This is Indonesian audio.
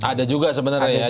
ada juga sebenarnya ya